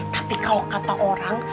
tapi kalau kata orang